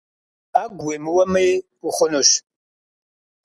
Ӏэгу уемыуэми хъунущ.